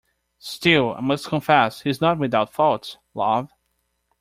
Still, I must confess he is not without faults, love.